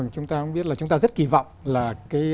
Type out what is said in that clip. chúng ta rất kỳ vọng